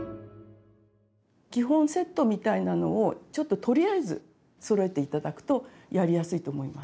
基本セットみたいなのをちょっととりあえずそろえて頂くとやりやすいと思います。